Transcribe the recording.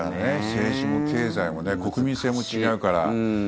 政治も経済も国民性も違うから。